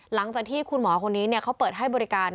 หลังจากที่คุณหมอคนนี้เขาเปิดให้บริการ